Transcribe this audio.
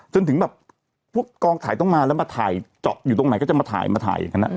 จนถึงแบบพวกกองถ่ายต้องมาแล้วมาถ่ายเจาะอยู่ตรงไหนก็จะมาถ่ายมาถ่ายอย่างนั้น